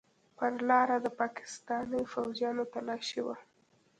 پر لاره د پاکستاني فوجيانو تلاشي وه.